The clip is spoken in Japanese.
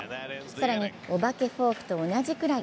更にお化けフォークと同じくらい